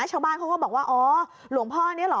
ชาวบ้านเขาก็บอกว่าอ๋อหลวงพ่อนี้เหรอ